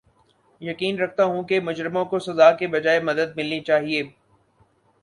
یقین رکھتا ہوں کہ مجرموں کو سزا کے بجاے مدد ملنی چاھیے